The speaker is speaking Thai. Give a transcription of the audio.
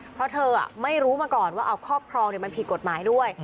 เพราะเธอไม่รู้มาก่อนว่าเอาครอบครองมันผิดกฎหมายด้วย